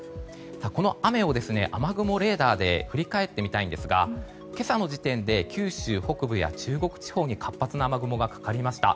この雨を雨雲レーダーで振り返ってみたいんですが今朝の時点で九州北部や中国地方に活発な雨雲がかかりました。